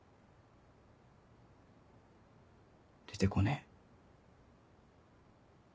出てこねえ。